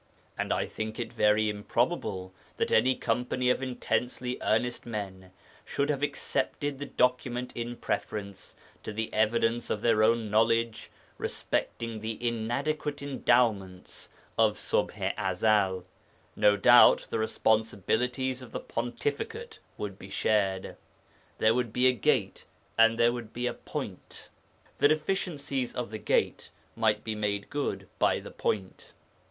And I think it very improbable that any company of intensely earnest men should have accepted the document in preference to the evidence of their own knowledge respecting the inadequate endowments of Ṣubḥ i Ezel. No doubt the responsibilities of the pontificate would be shared. There would be a 'Gate' and there would be a 'Point.' The deficiencies of the 'Gate' might be made good by the 'Point.'